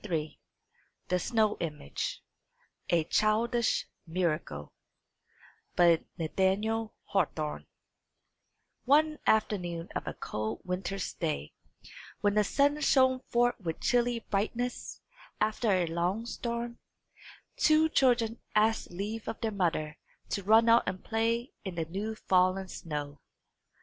III THE SNOW IMAGE: A CHILDISH MIRACLE One afternoon of a cold winter's day, when the sun shone forth with chilly brightness, after a long storm, two children asked leave of their mother to run out and play in the new fallen snow.